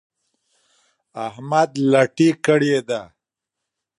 احمد لټي کړې ده.